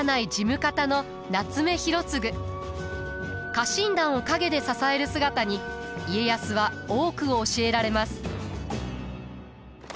家臣団を陰で支える姿に家康は多くを教えられます。